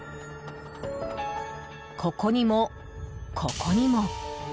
ここにも、ここにも。